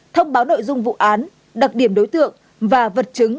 thông báo nội dung vụ án đặc điểm đối tượng và vật chứng